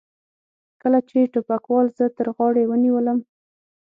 کله چې ټوپکوال زه تر غاړې ونیولم.